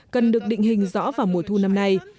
cần được định hình rõ vào mùa thu năm nay